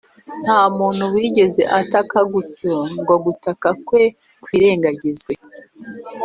nta muntu wigeze ataka gutyo ngo gutaka kwe kwirengagizwe